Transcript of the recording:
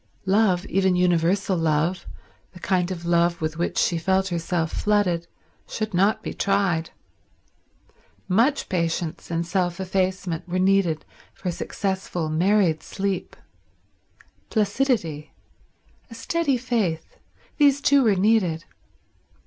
Love, even universal love, the kind of love with which she felt herself flooded, should not be tried. Much patience and self effacement were needed for successful married sleep. Placidity; a steady faith; these too were needed.